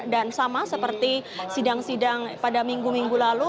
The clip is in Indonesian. dan sama seperti sidang sidang pada minggu minggu lalu